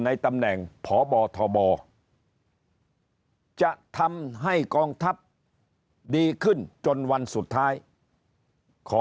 ในตำแหน่งพบทบจะทำให้กองทัพดีขึ้นจนวันสุดท้ายขอ